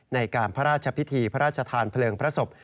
ในการพระราชพิธีพระราชทานเพลิงพระศพ